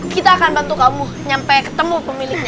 kita akan bantu kamu nyampe ketemu pemiliknya